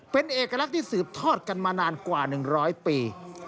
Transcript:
เป็นเอกลักษณ์ที่สืบทอดกันมานานกว่า๑๐๐ปี